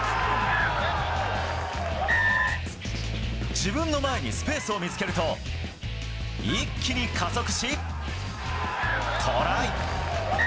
自分の前にスペースを見つけると一気に加速し、トライ。